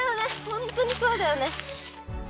ホントにそうだよね。